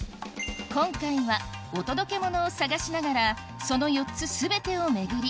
今回はお届けモノを探しながらその４つ全てを巡り